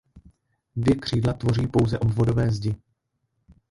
Dvě křídla tvoří pouze obvodové zdi.